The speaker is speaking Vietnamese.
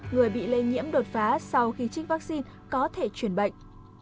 người bị lây nhiễm đột phá sau khi trích vaccine có thể chuyển bệnh